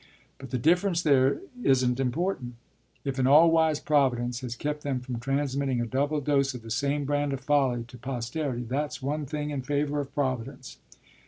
But the difference there isn't important. If an all wise Providence has kept them from transmitting a double dose of the same brand of folly to posterity, that's one thing in favor of Providence.